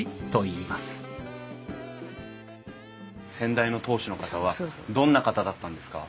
先代の当主の方はどんな方だったんですか？